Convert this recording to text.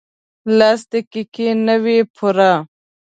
لس دقیقې نه وې پوره.